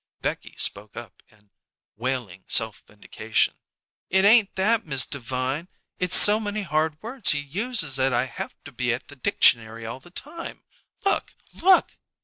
Becky spoke up in wailing self vindication. "It ain't that, Miss Devine. It's so many hard words he uses that I have to be at the dictionary all the time. Look! Look!"